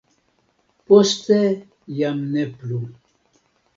Poste jam ne plu.